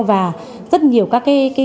và rất nhiều các cái